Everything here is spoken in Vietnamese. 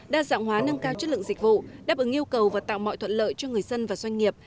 đa dạng hóa nâng cao chất lượng dịch vụ đáp ứng yêu cầu và tạo mọi thuận lợi cho người dân và doanh nghiệp